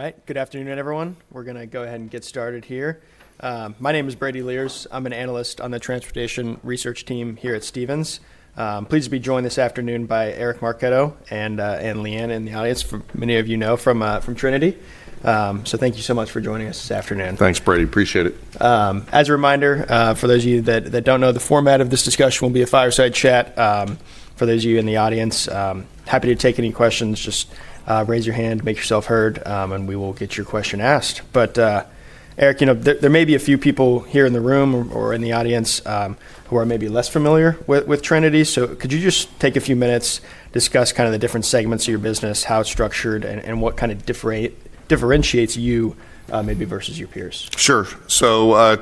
All right. Good afternoon, everyone. We're going to go ahead and get started here. My name is Brady Lierz. I'm an analyst on the transportation research team here at Stephens. Pleased to be joined this afternoon by Eric Marchetto and Leigh Anne in the audience, many of you know, from Trinity. Thank you so much for joining us this afternoon. Thanks, Brady. Appreciate it. As a reminder, for those of you that don't know, the format of this discussion will be a fireside chat. For those of you in the audience, happy to take any questions. Just raise your hand, make yourself heard, and we will get your question asked. Eric, you know there may be a few people here in the room or in the audience who are maybe less familiar with Trinity. Could you just take a few minutes, discuss kind of the different segments of your business, how it's structured, and what kind of differentiates you maybe versus your peers? Sure.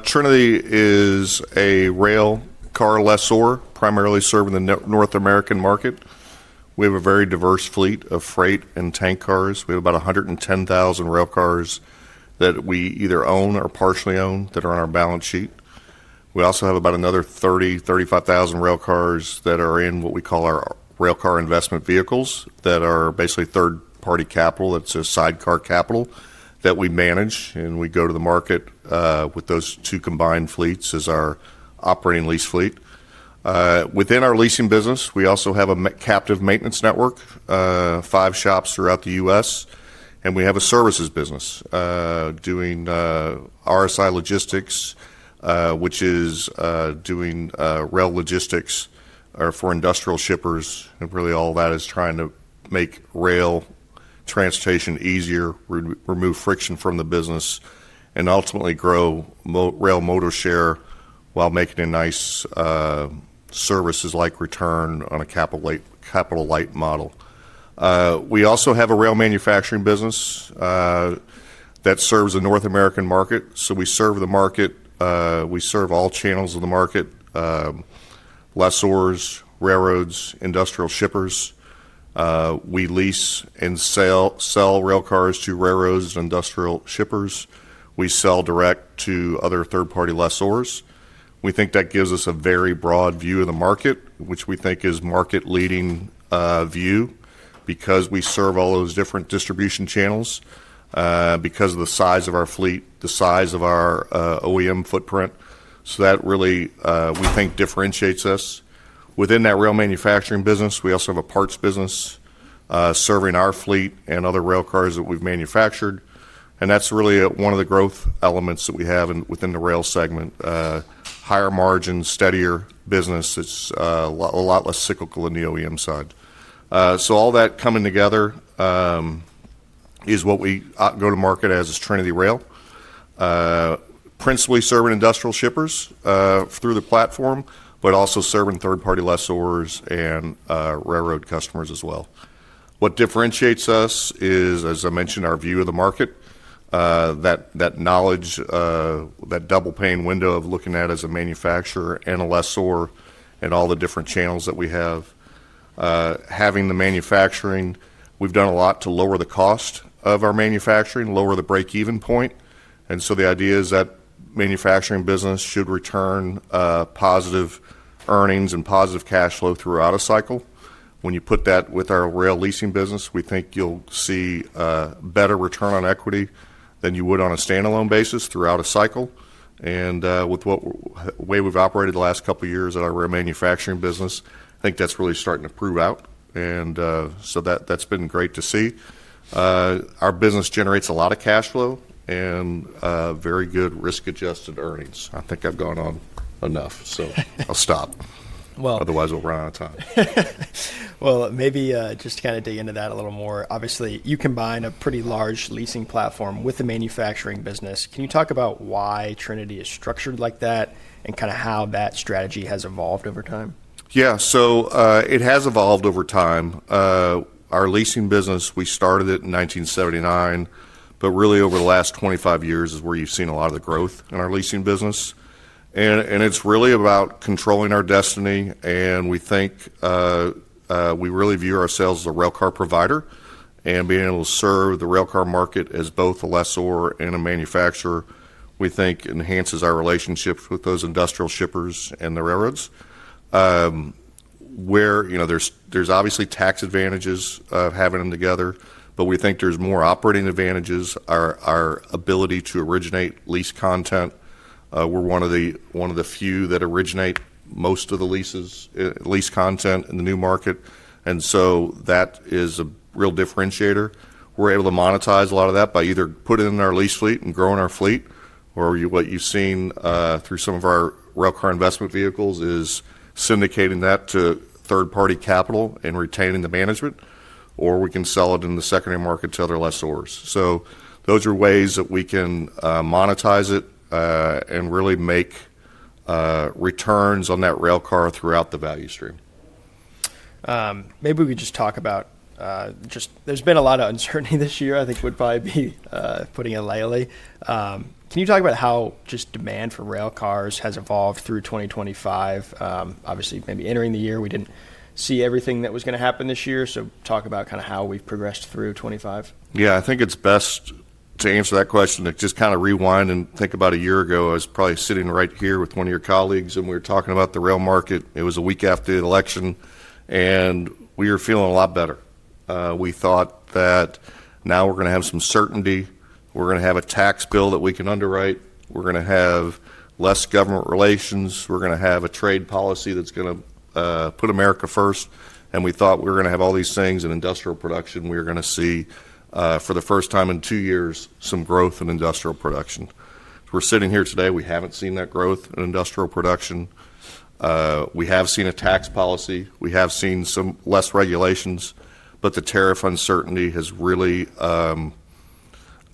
Trinity is a railcar lessor, primarily serving the North American market. We have a very diverse fleet of freight and tank cars. We have about 110,000 railcars that we either own or partially own that are on our balance sheet. We also have about another 30,000-35,000 railcars that are in what we call our railcar investment vehicles that are basically third-party capital. That is sidecar capital that we manage. We go to the market with those two combined fleets as our operating lease fleet. Within our leasing business, we also have a captive maintenance network, five shops throughout the U.S. We have a services business doing RSI logistics, which is doing rail logistics for industrial shippers. Really, all that is trying to make rail transportation easier, remove friction from the business, and ultimately grow rail modal share while making it nice services like return on a capital light model. We also have a rail manufacturing business that serves the North American market. We serve the market. We serve all channels of the market: lessors, railroads, industrial shippers. We lease and sell railcars to railroads and industrial shippers. We sell direct to other third-party lessors. We think that gives us a very broad view of the market, which we think is a market-leading view because we serve all those different distribution channels, because of the size of our fleet, the size of our OEM footprint. That really, we think, differentiates us. Within that rail manufacturing business, we also have a parts business serving our fleet and other railcars that we've manufactured. That is really one of the growth elements that we have within the rail segment: higher margins, steadier business. It is a lot less cyclical on the OEM side. All that coming together is what we go to market as is TrinityRail, principally serving industrial shippers through the platform, but also serving third-party lessors and railroad customers as well. What differentiates us is, as I mentioned, our view of the market, that knowledge, that double-pane window of looking at as a manufacturer and a lessor and all the different channels that we have. Having the manufacturing, we have done a lot to lower the cost of our manufacturing, lower the break-even point. The idea is that manufacturing business should return positive earnings and positive cash flow throughout a cycle. When you put that with our rail leasing business, we think you'll see a better return on equity than you would on a standalone basis throughout a cycle. With the way we've operated the last couple of years at our rail manufacturing business, I think that's really starting to prove out. That has been great to see. Our business generates a lot of cash flow and very good risk-adjusted earnings. I think I've gone on enough, so I'll stop. Otherwise, we'll run out of time. Maybe just to kind of dig into that a little more, obviously, you combine a pretty large leasing platform with the manufacturing business. Can you talk about why Trinity is structured like that and kind of how that strategy has evolved over time? Yeah. It has evolved over time. Our leasing business, we started it in 1979, but really over the last 25 years is where you've seen a lot of the growth in our leasing business. It's really about controlling our destiny. We think we really view ourselves as a railcar provider. Being able to serve the railcar market as both a lessor and a manufacturer, we think enhances our relationships with those industrial shippers and the railroads. There are obviously tax advantages of having them together, but we think there are more operating advantages, our ability to originate lease content. We're one of the few that originate most of the leases, lease content in the new market. That is a real differentiator. We're able to monetize a lot of that by either putting it in our lease fleet and growing our fleet, or what you've seen through some of our railcar investment vehicles is syndicating that to third-party capital and retaining the management, or we can sell it in the secondary market to other lessors. Those are ways that we can monetize it and really make returns on that railcar throughout the value stream. Maybe we could just talk about just there's been a lot of uncertainty this year. I think it would probably be putting it lightly. Can you talk about how just demand for railcars has evolved through 2025? Obviously, maybe entering the year, we didn't see everything that was going to happen this year. Talk about kind of how we've progressed through 2025. Yeah. I think it's best to answer that question and just kind of rewind and think about a year ago. I was probably sitting right here with one of your colleagues, and we were talking about the rail market. It was a week after the election, and we were feeling a lot better. We thought that now we're going to have some certainty. We're going to have a tax bill that we can underwrite. We're going to have less government relations. We're going to have a trade policy that's going to put America first. We thought we were going to have all these things in industrial production. We were going to see, for the first time in two years, some growth in industrial production. We're sitting here today. We haven't seen that growth in industrial production. We have seen a tax policy. We have seen some less regulations. The tariff uncertainty has really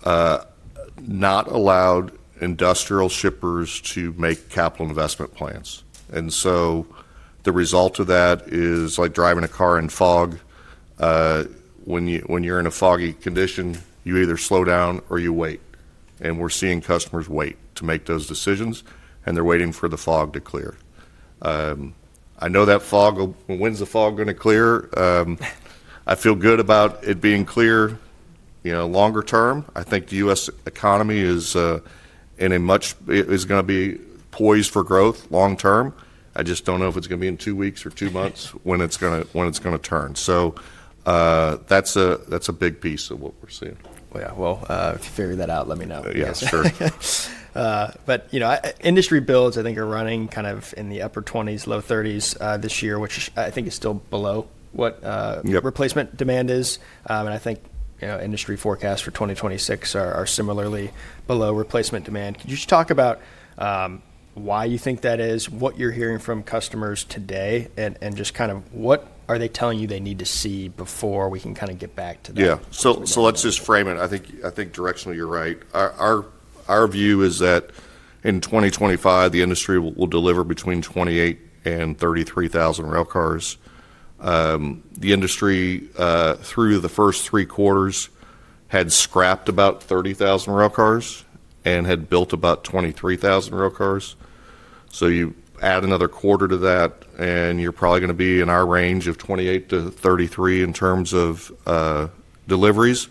not allowed industrial shippers to make capital investment plans. The result of that is like driving a car in fog. When you are in a foggy condition, you either slow down or you wait. We are seeing customers wait to make those decisions, and they are waiting for the fog to clear. I know that fog. When is the fog going to clear? I feel good about it being clear longer term. I think the U.S. economy is going to be poised for growth long-term. I just do not know if it is going to be in two weeks or two months when it is going to turn. That is a big piece of what we are seeing. Yeah. If you figure that out, let me know. Yeah, sure. Industry builds, I think, are running kind of in the upper 20s, low 30s this year, which I think is still below what replacement demand is. I think industry forecasts for 2026 are similarly below replacement demand. Could you just talk about why you think that is, what you're hearing from customers today, and just kind of what are they telling you they need to see before we can kind of get back to that? Yeah. So let's just frame it. I think directionally you're right. Our view is that in 2025, the industry will deliver between 28,000 and 33,000 railcars. The industry, through the first three quarters, had scrapped about 30,000 railcars and had built about 23,000 railcars. You add another quarter to that, and you're probably going to be in our range of 28,000-33,000 in terms of deliveries.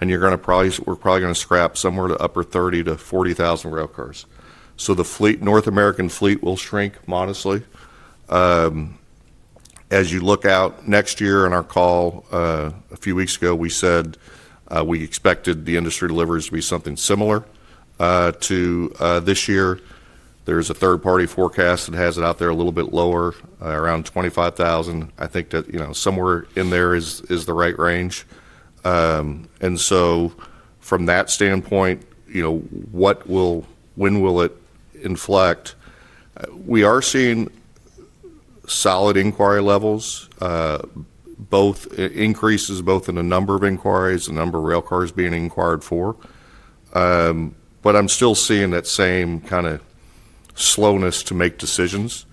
We're probably going to scrap somewhere in the upper 30,000-40,000 railcars. The North American fleet will shrink modestly. As you look out next year, in our call a few weeks ago, we said we expected the industry deliveries to be something similar to this year. There is a third-party forecast that has it out there a little bit lower, around 25,000. I think that somewhere in there is the right range. From that standpoint, when will it inflect? We are seeing solid inquiry levels, increases both in the number of inquiries, the number of railcars being inquired for. I'm still seeing that same kind of slowness to make decisions.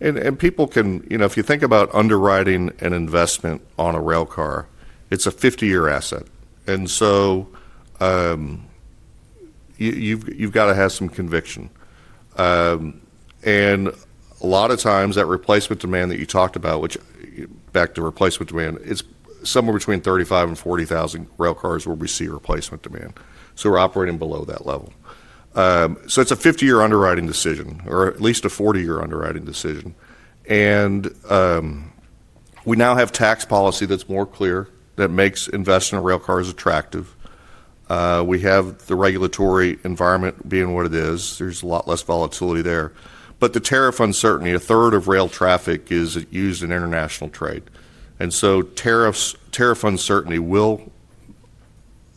If you think about underwriting an investment on a railcar, it's a 50-year asset. You have to have some conviction. A lot of times, that replacement demand that you talked about, which, back to replacement demand, it's somewhere between 35,000 and 40,000 railcars where we see replacement demand. We are operating below that level. It's a 50-year underwriting decision, or at least a 40-year underwriting decision. We now have tax policy that's more clear that makes investment in railcars attractive. We have the regulatory environment being what it is. There is a lot less volatility there. The tariff uncertainty, a third of rail traffic is used in international trade. Tariff uncertainty will,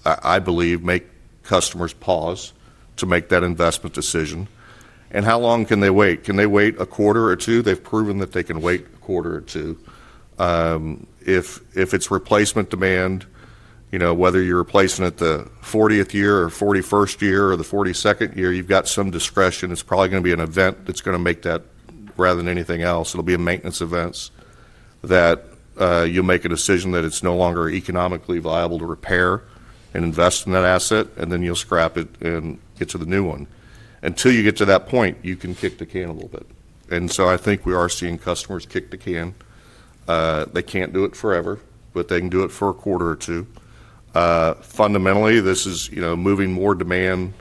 I believe, make customers pause to make that investment decision. How long can they wait? Can they wait a quarter or two? They've proven that they can wait a quarter or two. If it's replacement demand, whether you're replacing it the 40th year or 41st year or the 42nd year, you've got some discretion. It's probably going to be an event that's going to make that rather than anything else. It'll be a maintenance event that you'll make a decision that it's no longer economically viable to repair and invest in that asset, and then you'll scrap it and get to the new one. Until you get to that point, you can kick the can a little bit. I think we are seeing customers kick the can. They can't do it forever, but they can do it for a quarter or two. Fundamentally, this is moving more demand,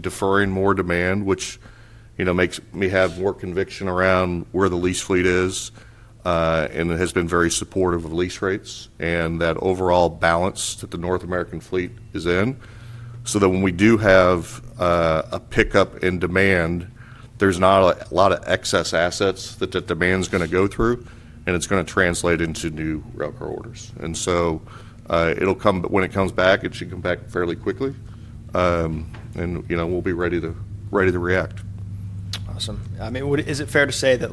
deferring more demand, which makes me have more conviction around where the lease fleet is and has been very supportive of lease rates and that overall balance that the North American fleet is in so that when we do have a pickup in demand, there's not a lot of excess assets that that demand is going to go through, and it's going to translate into new railcar orders. When it comes back, it should come back fairly quickly. We'll be ready to react. Awesome. I mean, is it fair to say that,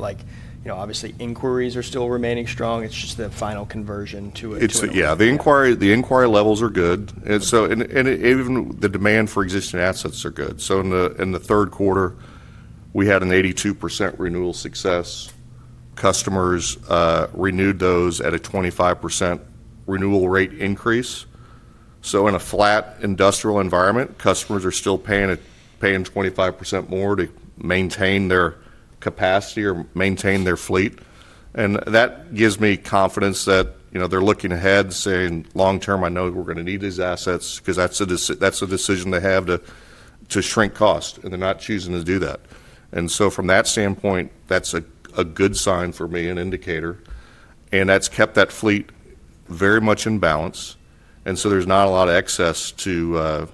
obviously, inquiries are still remaining strong? It's just the final conversion to it. Yeah. The inquiry levels are good. Even the demand for existing assets is good. In the third quarter, we had an 82% renewal success. Customers renewed those at a 25% renewal rate increase. In a flat industrial environment, customers are still paying 25% more to maintain their capacity or maintain their fleet. That gives me confidence that they're looking ahead, saying, "Long-term, I know we're going to need these assets because that's a decision they have to shrink cost," and they're not choosing to do that. From that standpoint, that's a good sign for me, an indicator. That has kept that fleet very much in balance. There's not a lot of excess to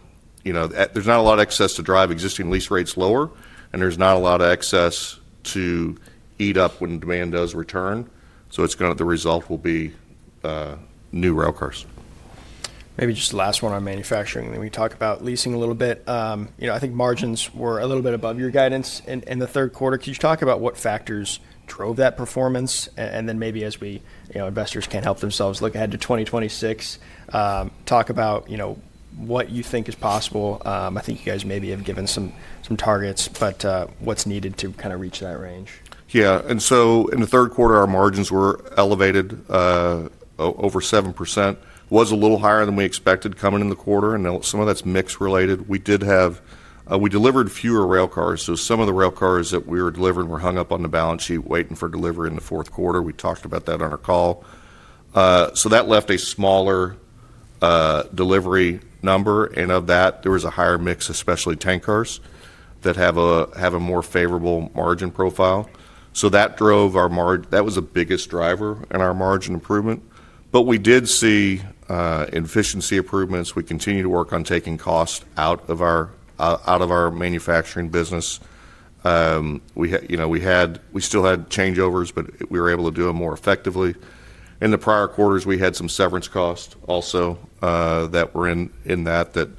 drive existing lease rates lower, and there's not a lot of excess to eat up when demand does return. The result will be new rail cars. Maybe just the last one on manufacturing. And then we talk about leasing a little bit. I think margins were a little bit above your guidance in the third quarter. Could you talk about what factors drove that performance? And then maybe as we investors can help themselves look ahead to 2026, talk about what you think is possible. I think you guys maybe have given some targets, but what's needed to kind of reach that range? Yeah. In the third quarter, our margins were elevated over 7%. It was a little higher than we expected coming in the quarter. Some of that is mix related. We delivered fewer railcars. Some of the railcars that we were delivering were hung up on the balance sheet waiting for delivery in the fourth quarter. We talked about that on our call. That left a smaller delivery number. Of that, there was a higher mix, especially tank cars, that have a more favorable margin profile. That drove our margin. That was the biggest driver in our margin improvement. We did see efficiency improvements. We continue to work on taking cost out of our manufacturing business. We still had changeovers, but we were able to do them more effectively. In the prior quarters, we had some severance costs also that were in that that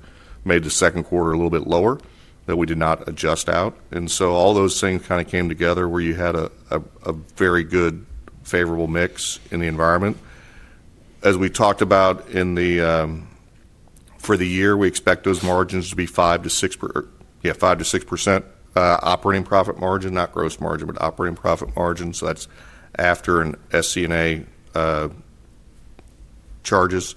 made the second quarter a little bit lower that we did not adjust out. As we talked about for the year, we expect those margins to be 5-6% operating profit margin, not gross margin, but operating profit margin. So that's after an SG&A charges.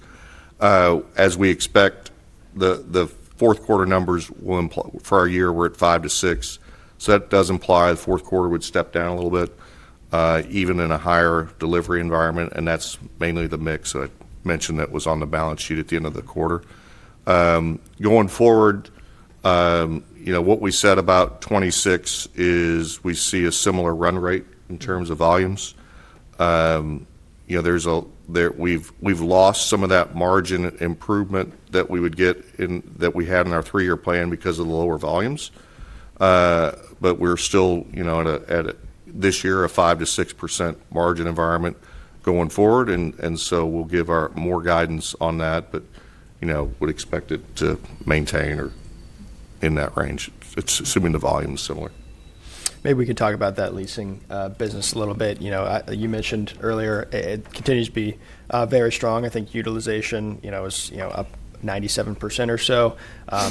As we expect, the fourth quarter numbers for our year were at 5-6%. That does imply the fourth quarter would step down a little bit, even in a higher delivery environment. That's mainly the mix I mentioned that was on the balance sheet at the end of the quarter. Going forward, what we said about '26 is we see a similar run rate in terms of volumes. We've lost some of that margin improvement that we would get that we had in our three-year plan because of the lower volumes. We're still, this year, a 5-6% margin environment going forward. We will give more guidance on that, but would expect it to maintain or in that range, assuming the volume is similar. Maybe we could talk about that leasing business a little bit. You mentioned earlier it continues to be very strong. I think utilization is up 97% or so.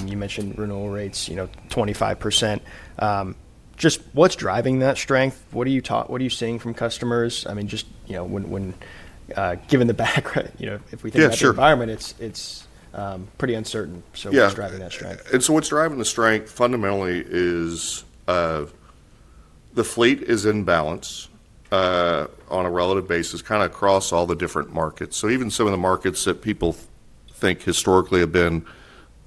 You mentioned renewal rates 25%. Just what's driving that strength? What are you seeing from customers? I mean, just given the background, if we think about the environment, it's pretty uncertain. What's driving that strength? Yeah. What's driving the strength fundamentally is the fleet is in balance on a relative basis kind of across all the different markets. Even some of the markets that people think historically have been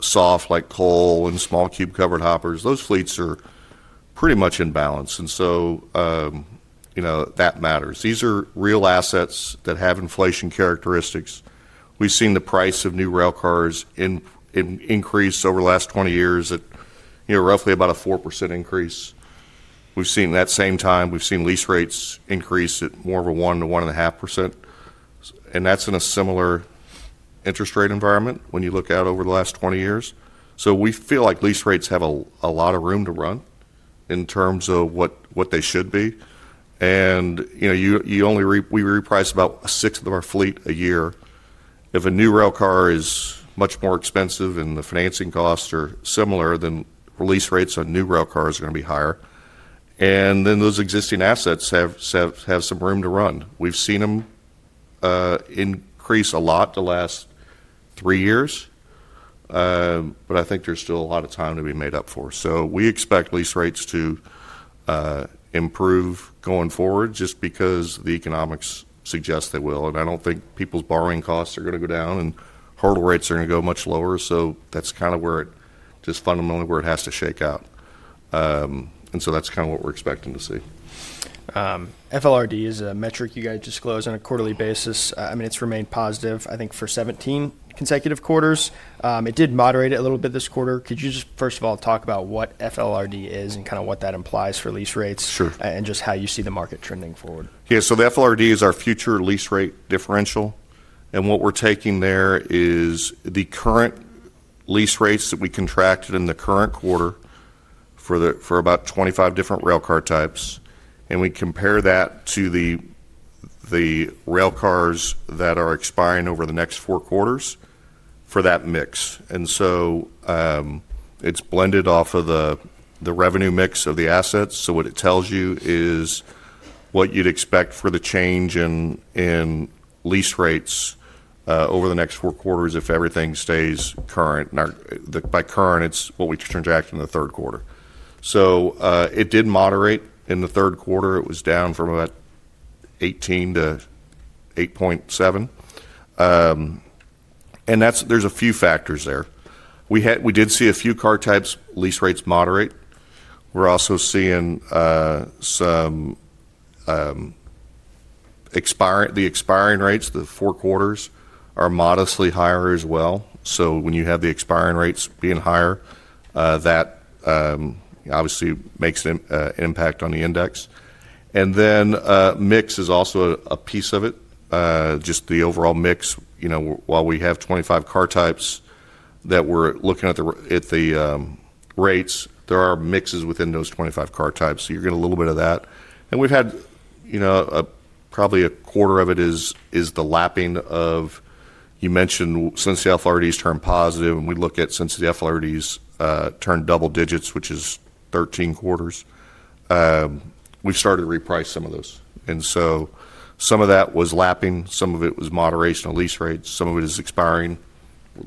soft, like coal and small cube covered hoppers, those fleets are pretty much in balance. That matters. These are real assets that have inflation characteristics. We've seen the price of new railcars increase over the last 20 years at roughly about a 4% increase. We've seen that same time, we've seen lease rates increase at more of a 1-1.5%. That's in a similar interest rate environment when you look out over the last 20 years. We feel like lease rates have a lot of room to run in terms of what they should be. We reprice about a sixth of our fleet a year. If a new railcar is much more expensive and the financing costs are similar, then release rates on new railcars are going to be higher. Then those existing assets have some room to run. We've seen them increase a lot the last three years, but I think there's still a lot of time to be made up for. We expect lease rates to improve going forward just because the economics suggest they will. I don't think people's borrowing costs are going to go down, and hurdle rates are going to go much lower. That's kind of just fundamentally where it has to shake out. That's kind of what we're expecting to see. FLRD is a metric you guys disclose on a quarterly basis. I mean, it's remained positive, I think, for 17 consecutive quarters. It did moderate a little bit this quarter. Could you just, first of all, talk about what FLRD is and kind of what that implies for lease rates and just how you see the market trending forward? Yeah. The FLRD is our future lease rate differential. What we are taking there is the current lease rates that we contracted in the current quarter for about 25 different railcar types. We compare that to the railcars that are expiring over the next four quarters for that mix. It is blended off of the revenue mix of the assets. What it tells you is what you would expect for the change in lease rates over the next four quarters if everything stays current. By current, it is what we contract in the third quarter. It did moderate in the third quarter. It was down from about 18 to 8.7. There are a few factors there. We did see a few car types' lease rates moderate. We are also seeing the expiring rates, the four quarters, are modestly higher as well. When you have the expiring rates being higher, that obviously makes an impact on the index. Mix is also a piece of it, just the overall mix. While we have 25 car types that we're looking at the rates, there are mixes within those 25 car types. You're getting a little bit of that. We've had probably a quarter of it is the lapping of you mentioned since the FLRDs turned positive, and we look at since the FLRDs turned double digits, which is 13 quarters, we've started to reprice some of those. Some of that was lapping. Some of it was moderation of lease rates. Some of it is expiring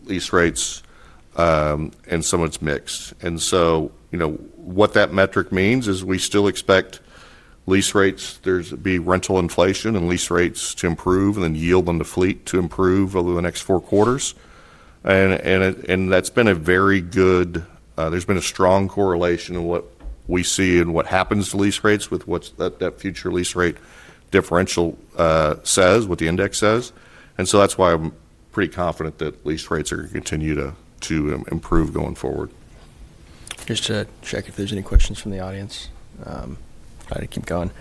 lease rates, and some of it's mix. What that metric means is we still expect lease rates to be rental inflation and lease rates to improve and then yield on the fleet to improve over the next four quarters. That has been a very good, there has been a strong correlation in what we see and what happens to lease rates with what that future lease rate differential says, what the index says. That is why I am pretty confident that lease rates are going to continue to improve going forward. Just to check if there's any questions from the audience, try to keep going.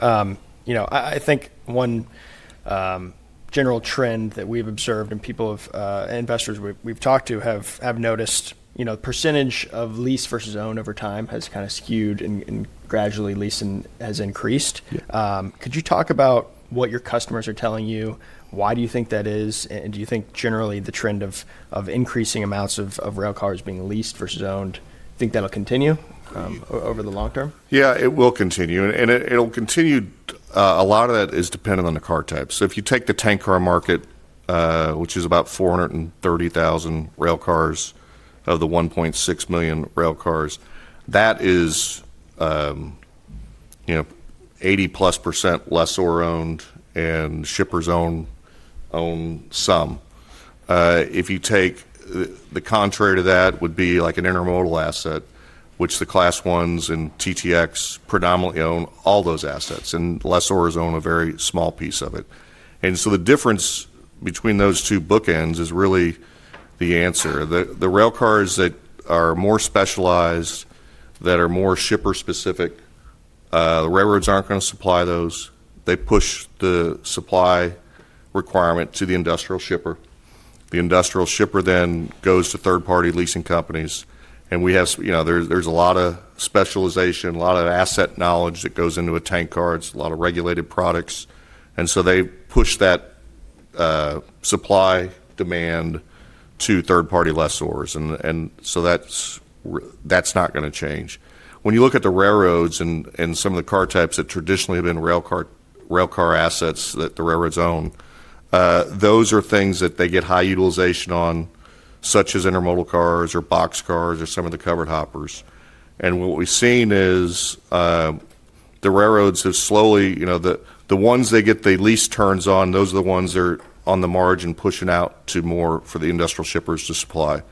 I think one general trend that we've observed and investors we've talked to have noticed the percentage of lease versus own over time has kind of skewed and gradually lease has increased. Could you talk about what your customers are telling you? Why do you think that is? Do you think generally the trend of increasing amounts of railcars being leased versus owned, you think that'll continue over the long-term? Yeah, it will continue. It will continue. A lot of that is dependent on the car type. If you take the tank car market, which is about 430,000 railcars of the 1.6 million railcars, that is 80% plus lessor-owned and shippers own some. If you take the contrary to that, it would be like an intermodal asset, which the Class I railroads and TTX predominantly own all those assets, and lessors own a very small piece of it. The difference between those two bookends is really the answer. The railcars that are more specialized, that are more shipper-specific, the railroads are not going to supply those. They push the supply requirement to the industrial shipper. The industrial shipper then goes to third-party leasing companies. There is a lot of specialization, a lot of asset knowledge that goes into tank cars, a lot of regulated products. They push that supply demand to third-party lessors. That is not going to change. When you look at the railroads and some of the car types that traditionally have been railcar assets that the railroads own, those are things that they get high utilization on, such as intermodal cars or box cars or some of the covered hoppers. What we have seen is the railroads have slowly, the ones they get the least turns on, those are the ones that are on the margin pushing out to more for the industrial shippers to supply.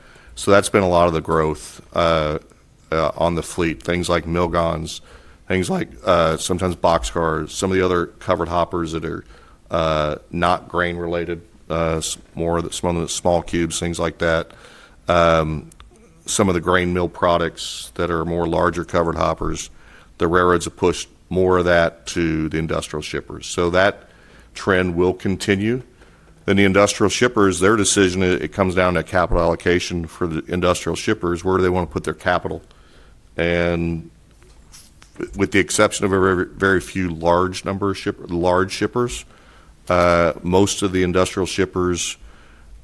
That has been a lot of the growth on the fleet. Things like mill gondolas, things like sometimes box cars, some of the other covered hoppers that are not grain-related, some of the small cubes, things like that, some of the grain mill products that are more larger covered hoppers, the railroads have pushed more of that to the industrial shippers. That trend will continue. The industrial shippers, their decision, it comes down to capital allocation for the industrial shippers. Where do they want to put their capital? With the exception of a very few large shippers, most of the industrial shippers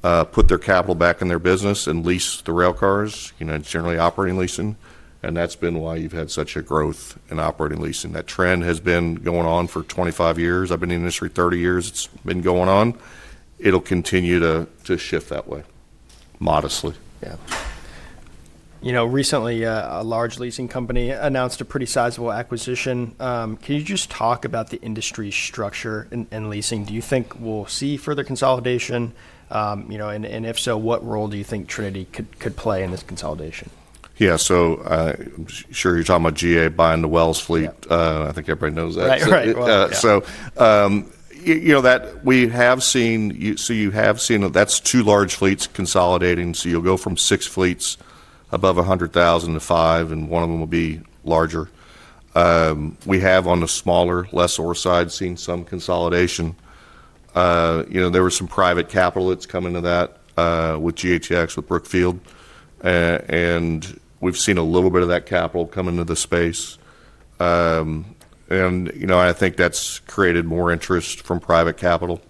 put their capital back in their business and lease the rail cars, generally operating leasing. That has been why you have had such a growth in operating leasing. That trend has been going on for 25 years. I have been in the industry 30 years. It has been going on. It will continue to shift that way, modestly. Yeah. Recently, a large leasing company announced a pretty sizable acquisition. Can you just talk about the industry structure and leasing? Do you think we'll see further consolidation? If so, what role do you think Trinity could play in this consolidation? Yeah. I'm sure you're talking about GATX buying the Wells Fargo Rail fleet. I think everybody knows that. Right. Right. We have seen, you have seen, that is two large fleets consolidating. You will go from six fleets above 100,000 to five, and one of them will be larger. We have, on the smaller lessor side, seen some consolidation. There was some private capital that has come into that with GATX, with Brookfield. We have seen a little bit of that capital come into the space. I think that has created more interest from private capital.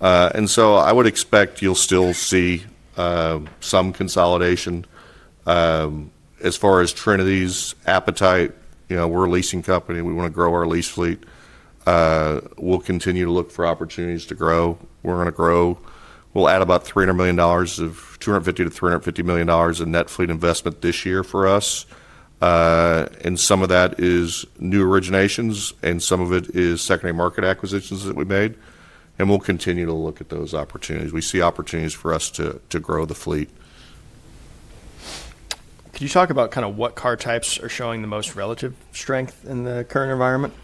I would expect you will still see some consolidation. As far as Trinity's appetite, we are a leasing company. We want to grow our lease fleet. We will continue to look for opportunities to grow. We are going to grow. We will add about $250-$350 million in net fleet investment this year for us. Some of that is new originations, and some of it is secondary market acquisitions that we made. We will continue to look at those opportunities. We see opportunities for us to grow the fleet. Can you talk about kind of what car types are showing the most relative strength in the current environment?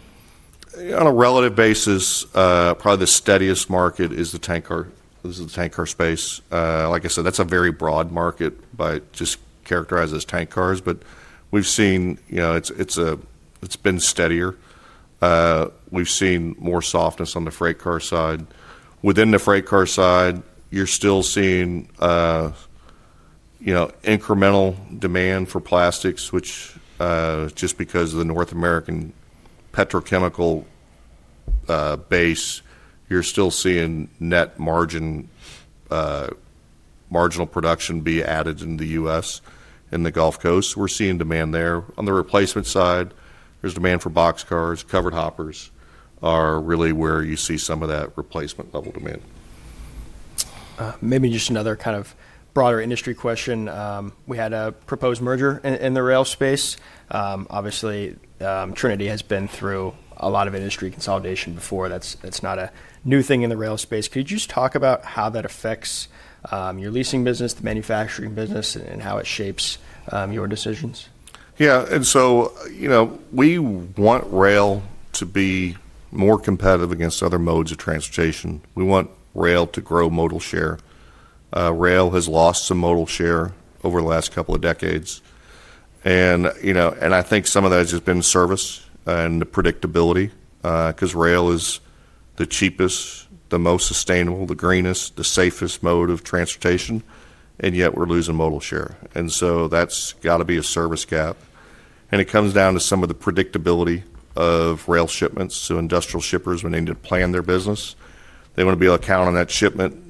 On a relative basis, probably the steadiest market is the tank car. This is the tank car space. Like I said, that's a very broad market by just characterizing as tank cars. We've seen it's been steadier. We've seen more softness on the freight car side. Within the freight car side, you're still seeing incremental demand for plastics, which just because of the North American petrochemical base, you're still seeing net marginal production be added in the U.S. and the Gulf Coast. We're seeing demand there. On the replacement side, there's demand for box cars. Covered hoppers are really where you see some of that replacement level demand. Maybe just another kind of broader industry question. We had a proposed merger in the rail space. Obviously, Trinity has been through a lot of industry consolidation before. That's not a new thing in the rail space. Could you just talk about how that affects your leasing business, the manufacturing business, and how it shapes your decisions? Yeah. We want rail to be more competitive against other modes of transportation. We want rail to grow modal share. Rail has lost some modal share over the last couple of decades. I think some of that has just been service and the predictability because rail is the cheapest, the most sustainable, the greenest, the safest mode of transportation. Yet we're losing modal share. That has got to be a service gap. It comes down to some of the predictability of rail shipments. Industrial shippers may need to plan their business. They want to be able to count on that shipment.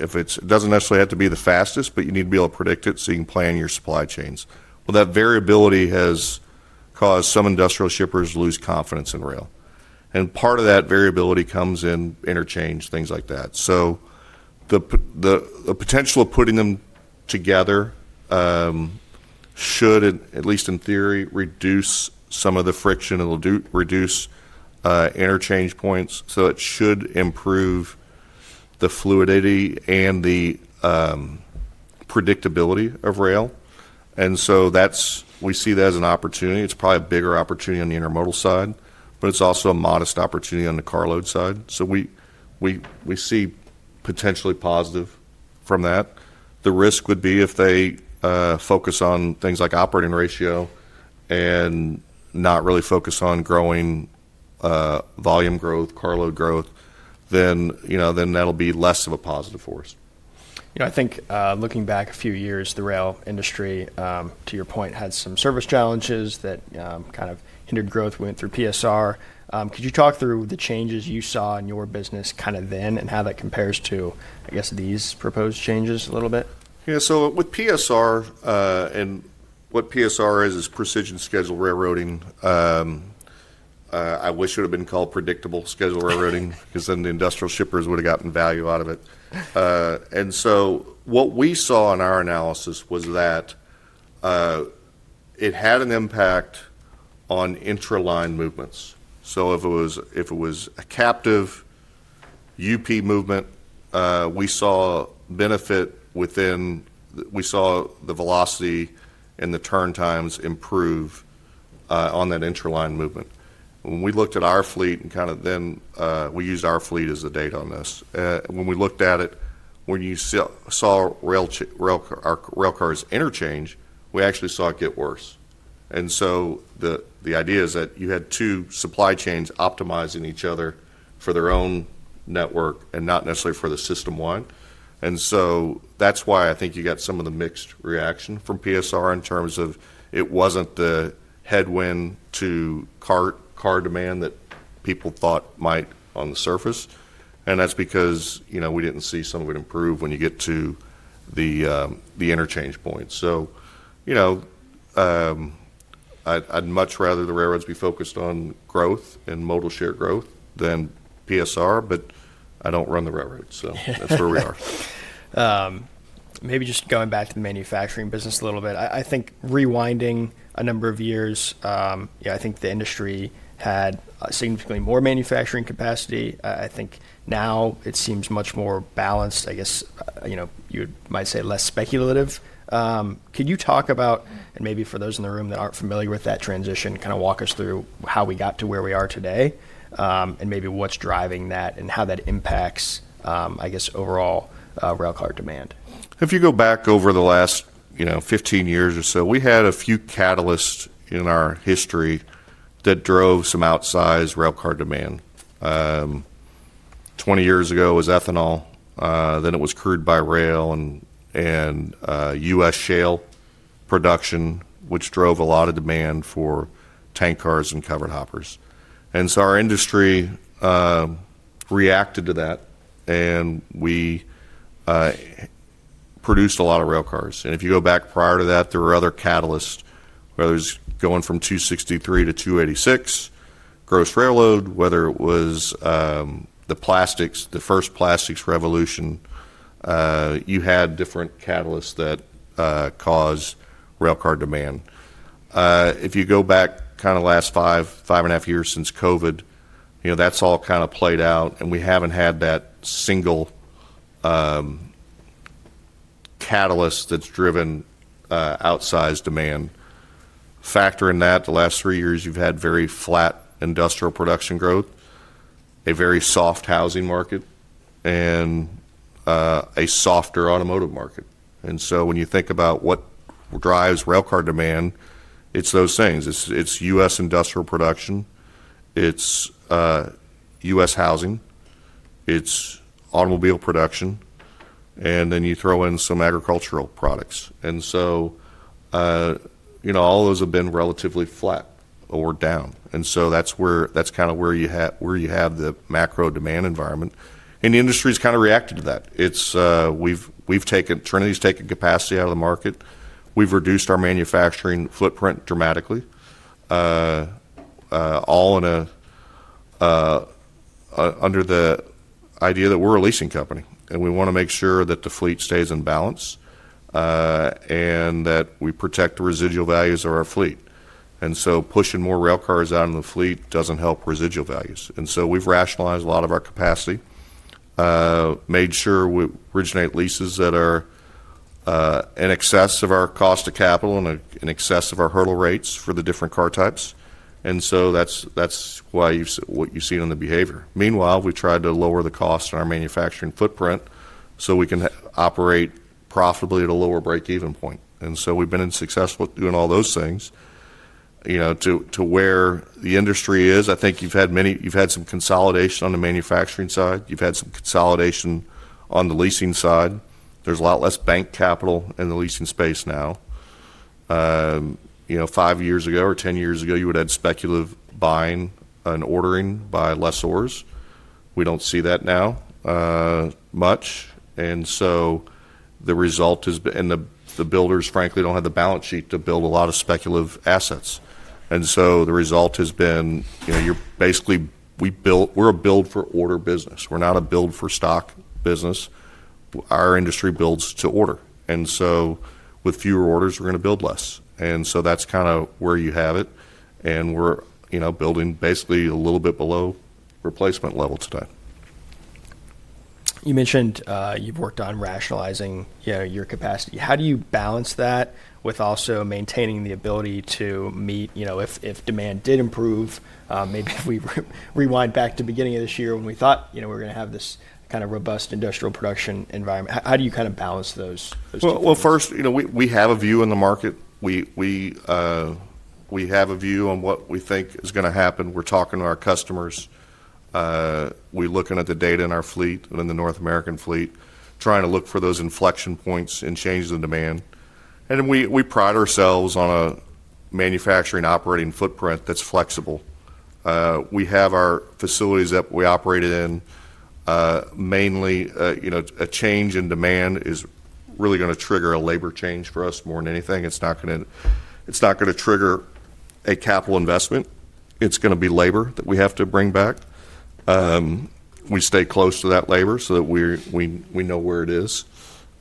It does not necessarily have to be the fastest, but you need to be able to predict it so you can plan your supply chains. That variability has caused some industrial shippers to lose confidence in rail. Part of that variability comes in interchange, things like that. The potential of putting them together should, at least in theory, reduce some of the friction. It will reduce interchange points. It should improve the fluidity and the predictability of rail. We see that as an opportunity. It is probably a bigger opportunity on the intermodal side, but it is also a modest opportunity on the carload side. We see potentially positive from that. The risk would be if they focus on things like operating ratio and not really focus on growing volume growth, carload growth, then that will be less of a positive force. I think looking back a few years, the rail industry, to your point, had some service challenges that kind of hindered growth, went through PSR. Could you talk through the changes you saw in your business kind of then and how that compares to, I guess, these proposed changes a little bit? Yeah. With PSR, and what PSR is, is Precision Scheduled Railroading. I wish it would have been called Predictable Scheduled Railroading because then the industrial shippers would have gotten value out of it. What we saw in our analysis was that it had an impact on interline movements. If it was a captive UP movement, we saw benefit within, we saw the velocity and the turn times improve on that interline movement. When we looked at our fleet and kind of then we used our fleet as the data on this. When we looked at it, when you saw railcars interchange, we actually saw it get worse. The idea is that you had two supply chains optimizing each other for their own network and not necessarily for the system one. That's why I think you got some of the mixed reaction from PSR in terms of it wasn't the headwind to car demand that people thought might on the surface. That's because we didn't see some of it improve when you get to the interchange points. I'd much rather the railroads be focused on growth and modal share growth than PSR, but I don't run the railroads. That's where we are. Maybe just going back to the manufacturing business a little bit. I think rewinding a number of years, I think the industry had significantly more manufacturing capacity. I think now it seems much more balanced, I guess you might say less speculative. Could you talk about, and maybe for those in the room that aren't familiar with that transition, kind of walk us through how we got to where we are today and maybe what's driving that and how that impacts, I guess, overall railcar demand? If you go back over the last 15 years or so, we had a few catalysts in our history that drove some outsized railcar demand. Twenty years ago it was ethanol, then it was crude by rail and U.S. shale production, which drove a lot of demand for tank cars and covered hoppers. Our industry reacted to that, and we produced a lot of railcars. If you go back prior to that, there were other catalysts, whether it was going from 263 to 286 gross rail load, whether it was the first plastics revolution, you had different catalysts that caused railcar demand. If you go back kind of last five, five and a half years since COVID, that has all kind of played out. We have not had that single catalyst that has driven outsized demand. Factor in that, the last three years you've had very flat industrial production growth, a very soft housing market, and a softer automotive market. When you think about what drives railcar demand, it's those things. It's U.S. industrial production. It's U.S. housing. It's automobile production. You throw in some agricultural products. All those have been relatively flat or down. That's kind of where you have the macro demand environment. The industry has kind of reacted to that. Trinity has taken capacity out of the market. We've reduced our manufacturing footprint dramatically, all under the idea that we're a leasing company. We want to make sure that the fleet stays in balance and that we protect the residual values of our fleet. Pushing more railcars out in the fleet doesn't help residual values. We have rationalized a lot of our capacity, made sure we originate leases that are in excess of our cost of capital and in excess of our hurdle rates for the different car types. That is what you have seen in the behavior. Meanwhile, we have tried to lower the cost on our manufacturing footprint so we can operate profitably at a lower break-even point. We have been successful doing all those things to where the industry is. I think you have had some consolidation on the manufacturing side. You have had some consolidation on the leasing side. There is a lot less bank capital in the leasing space now. Five years ago or 10 years ago, you would have had speculative buying and ordering by lessors. We do not see that now much. The result has been, and the builders, frankly, do not have the balance sheet to build a lot of speculative assets. The result has been, you are basically, we are a build-for-order business. We are not a build-for-stock business. Our industry builds to order. With fewer orders, we are going to build less. That is kind of where you have it. We are building basically a little bit below replacement level today. You mentioned you've worked on rationalizing your capacity. How do you balance that with also maintaining the ability to meet if demand did improve, maybe if we rewind back to the beginning of this year when we thought we were going to have this kind of robust industrial production environment? How do you kind of balance those two? First, we have a view in the market. We have a view on what we think is going to happen. We're talking to our customers. We're looking at the data in our fleet, in the North American fleet, trying to look for those inflection points and change the demand. We pride ourselves on a manufacturing operating footprint that's flexible. We have our facilities that we operate in. Mainly, a change in demand is really going to trigger a labor change for us more than anything. It's not going to trigger a capital investment. It's going to be labor that we have to bring back. We stay close to that labor so that we know where it is.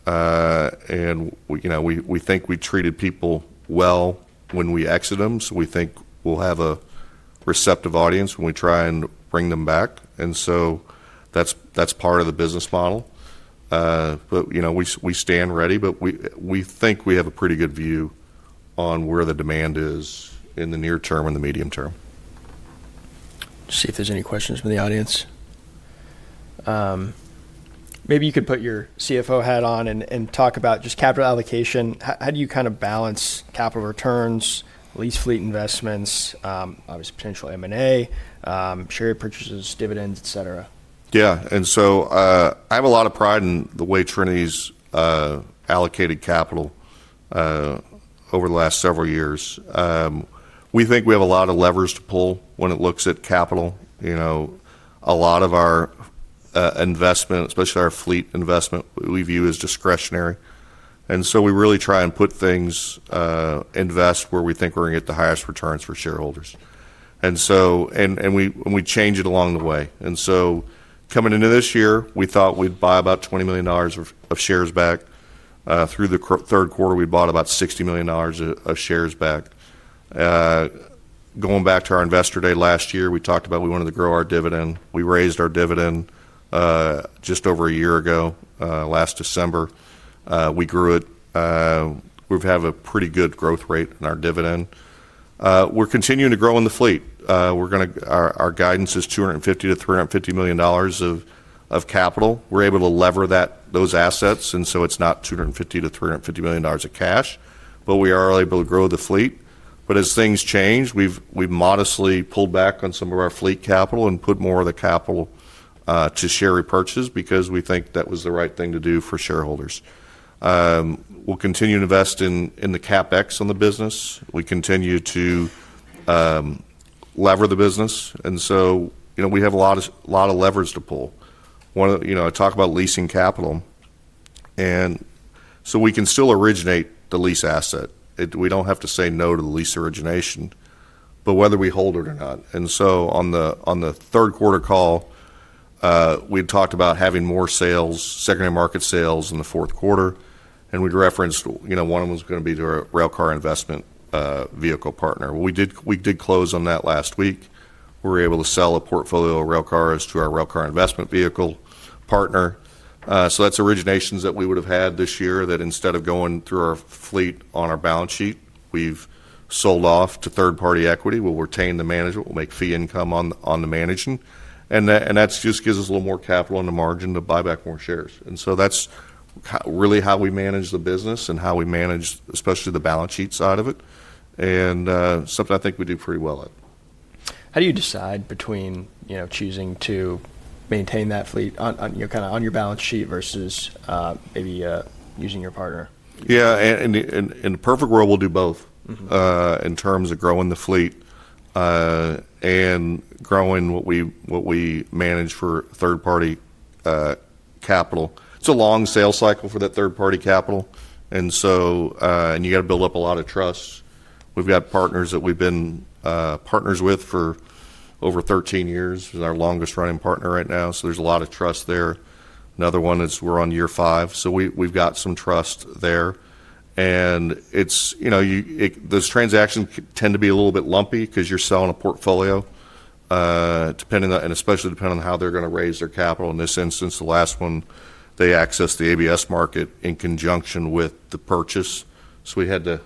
We think we treated people well when we exit them. We think we'll have a receptive audience when we try and bring them back. That's part of the business model. We stand ready. We think we have a pretty good view on where the demand is in the near term and the medium term. See if there's any questions from the audience. Maybe you could put your CFO hat on and talk about just capital allocation. How do you kind of balance capital returns, lease fleet investments, obviously potential M&A, share purchases, dividends, etc.? Yeah. I have a lot of pride in the way Trinity's allocated capital over the last several years. We think we have a lot of levers to pull when it looks at capital. A lot of our investment, especially our fleet investment, we view as discretionary. We really try and put things, invest where we think we're going to get the highest returns for shareholders. We change it along the way. Coming into this year, we thought we'd buy about $20 million of shares back. Through the third quarter, we bought about $60 million of shares back. Going back to our investor day last year, we talked about we wanted to grow our dividend. We raised our dividend just over a year ago, last December. We grew it. We have a pretty good growth rate in our dividend. We're continuing to grow in the fleet. Our guidance is $250 million-$350 million of capital. We're able to lever those assets. It's not $250 million-$350 million of cash, but we are able to grow the fleet. As things change, we've modestly pulled back on some of our fleet capital and put more of the capital to share repurchase because we think that was the right thing to do for shareholders. We'll continue to invest in the CapEx on the business. We continue to lever the business. We have a lot of levers to pull. I talk about leasing capital. We can still originate the lease asset. We don't have to say no to the lease origination, but whether we hold it or not. On the third quarter call, we had talked about having more sales, secondary market sales in the fourth quarter. We had referenced one of them was going to be to our railcar investment vehicle partner. We did close on that last week. We were able to sell a portfolio of railcars to our railcar investment vehicle partner. That is originations that we would have had this year that instead of going through our fleet on our balance sheet, we have sold off to third-party equity. We will retain the management. We will make fee income on the management. That just gives us a little more capital on the margin to buy back more shares. That is really how we manage the business and how we manage, especially the balance sheet side of it, and something I think we do pretty well at. How do you decide between choosing to maintain that fleet kind of on your balance sheet versus maybe using your partner? Yeah. In a perfect world, we'll do both in terms of growing the fleet and growing what we manage for third-party capital. It's a long sales cycle for that third-party capital. You got to build up a lot of trust. We've got partners that we've been partners with for over 13 years. It's our longest-running partner right now. There's a lot of trust there. Another one is we're on year five. We've got some trust there. Those transactions tend to be a little bit lumpy because you're selling a portfolio, especially depending on how they're going to raise their capital. In this instance, the last one, they accessed the ABS market in conjunction with the purchase. We had to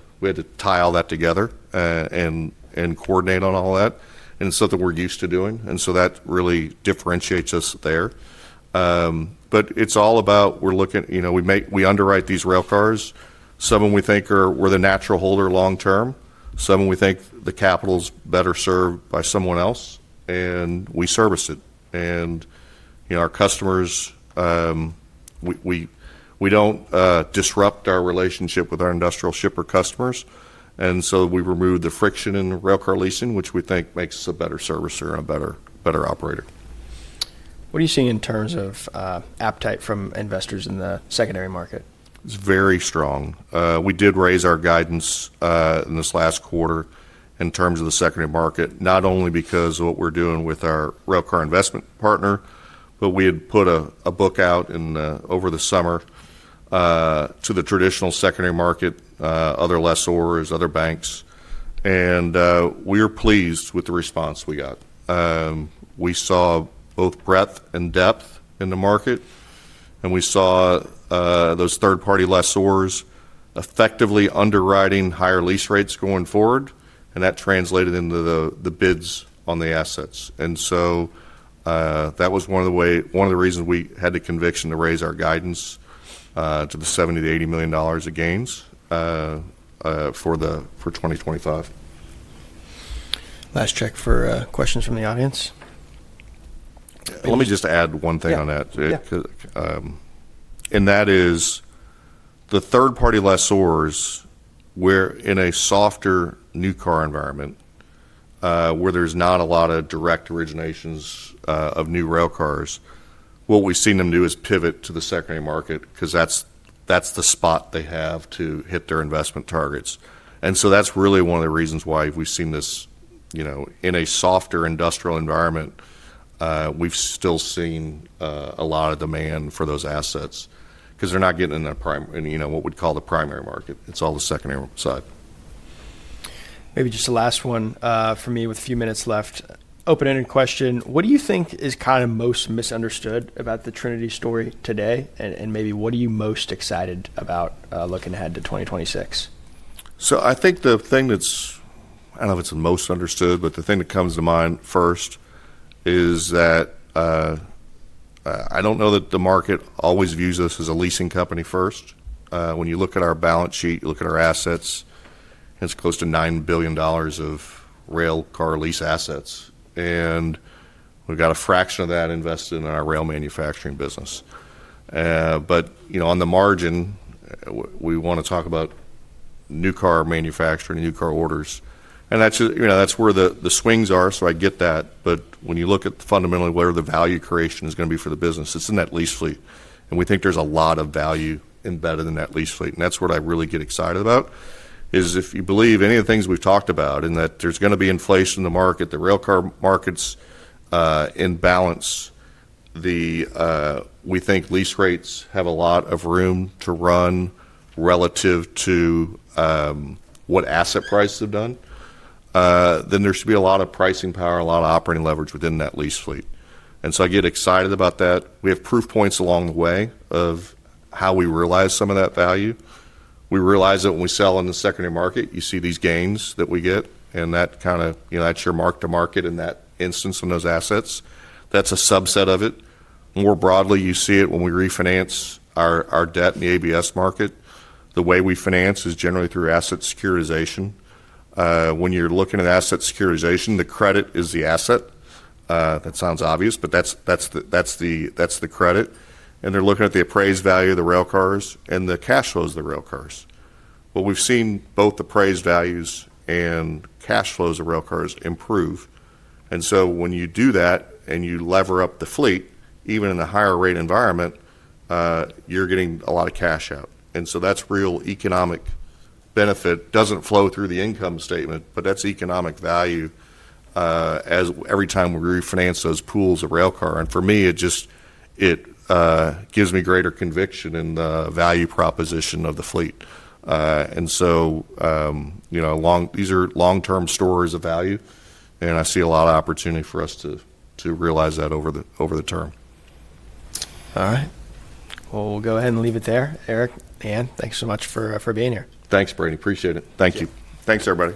tie all that together and coordinate on all that. It's something we're used to doing. That really differentiates us there. It is all about we underwrite these railcars. Some of them we think are the natural holder long-term. Some of them we think the capital is better served by someone else. We service it. Our customers, we do not disrupt our relationship with our industrial shipper customers. We have removed the friction in railcar leasing, which we think makes us a better servicer and a better operator. What are you seeing in terms of appetite from investors in the secondary market? It's very strong. We did raise our guidance in this last quarter in terms of the secondary market, not only because of what we're doing with our railcar investment partner, but we had put a book out over the summer to the traditional secondary market, other lessors, other banks. We are pleased with the response we got. We saw both breadth and depth in the market. We saw those third-party lessors effectively underwriting higher lease rates going forward. That translated into the bids on the assets. That was one of the reasons we had the conviction to raise our guidance to the $70-$80 million of gains for 2025. Last check for questions from the audience. Let me just add one thing on that. That is the third-party lessors in a softer new car environment where there's not a lot of direct originations of new railcars, what we've seen them do is pivot to the secondary market because that's the spot they have to hit their investment targets. That is really one of the reasons why we've seen this in a softer industrial environment. We've still seen a lot of demand for those assets because they're not getting in what we'd call the primary market. It's all the secondary side. Maybe just the last one for me with a few minutes left. Open-ended question. What do you think is kind of most misunderstood about the Trinity story today? And maybe what are you most excited about looking ahead to 2026? I think the thing that's, I don't know if it's the most understood, but the thing that comes to mind first is that I don't know that the market always views us as a leasing company first. When you look at our balance sheet, you look at our assets, it's close to $9 billion of railcar lease assets. And we've got a fraction of that invested in our rail manufacturing business. On the margin, we want to talk about new car manufacturing and new car orders. That's where the swings are. I get that. When you look at fundamentally where the value creation is going to be for the business, it's in that lease fleet. We think there's a lot of value embedded in that lease fleet. That is what I really get excited about. If you believe any of the things we have talked about and that there is going to be inflation in the market, the railcar market is in balance. We think lease rates have a lot of room to run relative to what asset prices have done. There should be a lot of pricing power, a lot of operating leverage within that lease fleet. I get excited about that. We have proof points along the way of how we realize some of that value. We realize that when we sell in the secondary market, you see these gains that we get. That is your mark-to-market in that instance on those assets. That is a subset of it. More broadly, you see it when we refinance our debt in the ABS market. The way we finance is generally through asset securitization. When you're looking at asset securitization, the credit is the asset. That sounds obvious, but that's the credit. They're looking at the appraised value of the railcars and the cash flows of the railcars. We've seen both appraised values and cash flows of railcars improve. When you do that and you lever up the fleet, even in a higher rate environment, you're getting a lot of cash out. That's real economic benefit. It doesn't flow through the income statement, but that's economic value every time we refinance those pools of railcar. For me, it just gives me greater conviction in the value proposition of the fleet. These are long-term stories of value. I see a lot of opportunity for us to realize that over the term. All right. We'll go ahead and leave it there. Eric, Leigh Anne, thanks so much for being here. Thanks, Brady. Appreciate it. Thank you. Thanks, everybody.